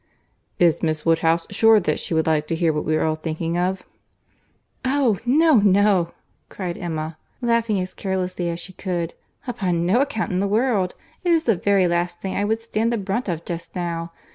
"Is Miss Woodhouse sure that she would like to hear what we are all thinking of?" "Oh! no, no"—cried Emma, laughing as carelessly as she could—"Upon no account in the world. It is the very last thing I would stand the brunt of just now.